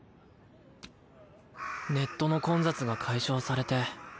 ネットの混雑が解消されてぐあ！